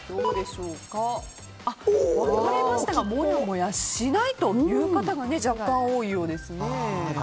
分かれましたがもやもやしないという方が若干多いようですね。